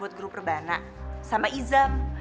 ya kan kita muslim